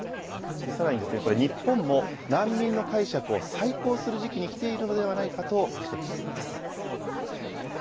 さらに、日本も難民の解釈を再考する時期に来ているのではないかと指摘しています。